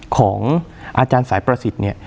ของอาจารย์สายประสิทธิ์เนี่ย